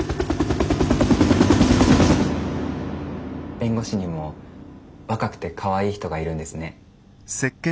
弁護士にも若くてかわいい人がいるんですね。